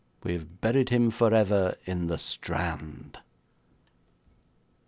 We have buried him for ever in the Strand.'